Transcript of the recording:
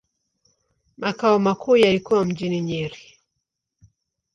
Makao makuu yalikuwa mjini Nyeri.